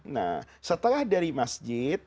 nah setelah dari masjid